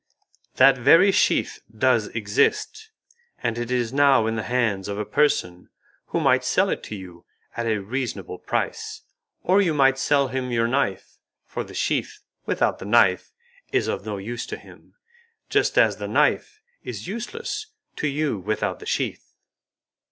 That very sheath does exist, and it is now in the hands of a person who might sell it to you at a reasonable price, or you might sell him your knife, for the sheath without the knife is of no use to him, just as the knife is useless to you without the sheath."